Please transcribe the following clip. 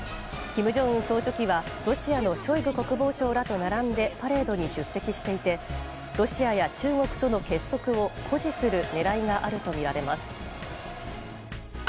金正恩総書記は、ロシアのショイグ国防相らと並んでパレードに出席していてロシアや中国との結束を誇示する狙いがあるとみられます。